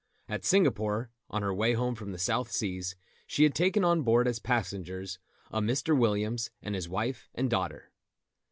At Singapore, on her way home from the South Seas, she had taken on board, as passengers, a Mr. Williams and his wife and daughter.